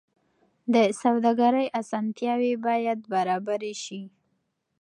د سوداګرۍ اسانتیاوې باید برابرې شي.